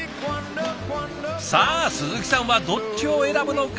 さあ鈴木さんはどっちを選ぶのか。